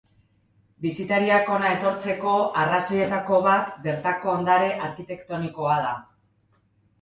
Bisitariak hona etortzeko arrazoietako bat bertako ondare arkitektonikoa da.